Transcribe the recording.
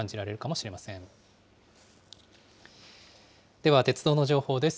では鉄道の情報です。